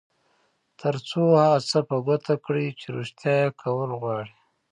تر څو هغه څه په ګوته کړئ چې رېښتيا یې کول غواړئ.